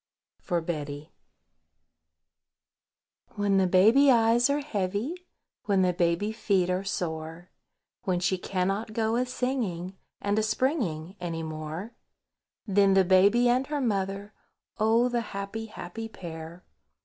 FOR BETTY. WHEN the baby eyes are heavy, When the baby feet are sore, When she cannot go a singing And a springing any more, Then the Baby and her mother, Oh! the happy, happy pair!